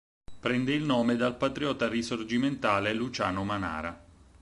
Prende il nome dal patriota risorgimentale Luciano Manara.